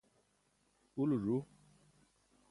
ulo ẓu